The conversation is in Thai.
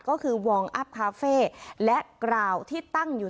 ก็คือวอร์มอัพคาเฟ่และกราวที่ตั้งอยู่